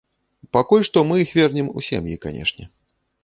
Пакуль што мы іх вернем у сем'і, канешне.